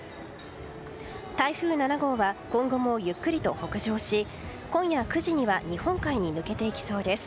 台風７号は今後もゆっくりと北上し今夜９時には日本海に抜けていきそうです。